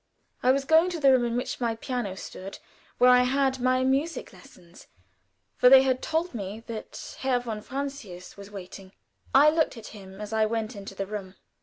I was going to the room in which my piano stood, where I had my music lessons, for they had told me that Herr von Francius was waiting. I looked at him as I went into the room.